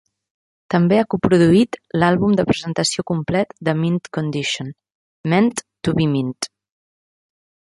També ha coproduït l'àlbum de presentació complet de Mint Condition, "Meant to Be Mint".